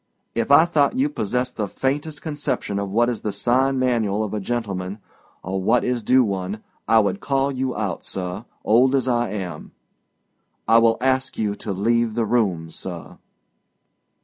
If I thought you possessed the faintest conception of what is the sign manual of a gentleman, or what is due one, I would call you out, sir, old as I am. I will ask you to leave the room, sir."